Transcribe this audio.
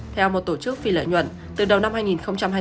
theo một tổ chức phi lợi nhuận từ đầu năm hai nghìn hai mươi bốn tới nay